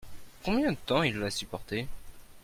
Combien de temps il va supporter ?